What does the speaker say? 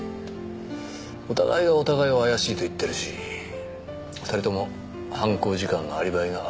お互いがお互いを怪しいと言ってるし２人とも犯行時間のアリバイがありません